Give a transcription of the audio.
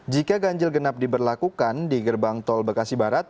jika ganjil genap diberlakukan di gerbang tol bekasi barat